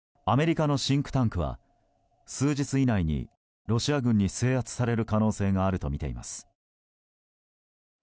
アメリカのシンクタンクは数日以内にロシア軍に制圧される可能性があるとみています。